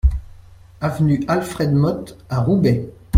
Avenue Alfred Motte à Roubaix